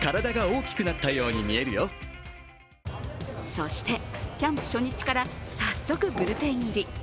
そして、キャンプ初日から早速ブルペン入り。